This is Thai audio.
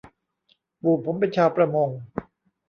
ปู่ผมเป็นชาวประมง